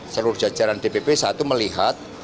seluruh jajaran dpp satu melihat